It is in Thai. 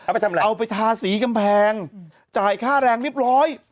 เอาไปทาสีกำแพงจ่ายค่าแรงเรียบร้อย